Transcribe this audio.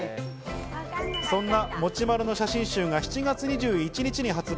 そんな、もちまるの写真集が７月２１日に発売。